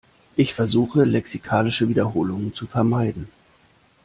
Ich versuche, lexikalische Wiederholungen zu vermeiden.